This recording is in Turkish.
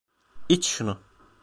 İç şunu.